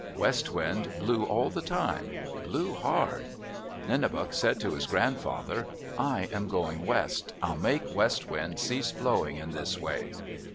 West Wind blew all the time—blew hard. Nenebuc said to his grandfather, "I am going west. I'll make West Wind cease blowing in this way."